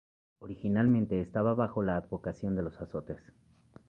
Originalmente estaba bajo la advocación de los Azotes.